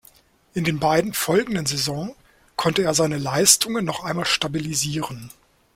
In den beiden folgenden Saisonen konnte er seine Leistungen noch einmal stabilisieren.